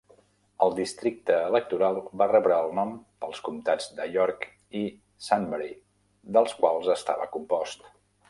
El districte electoral va rebre el nom pels comtats de York i Sunbury, dels quals estava compost.